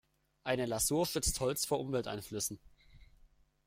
Eine Lasur schützt Holz vor Umwelteinflüssen.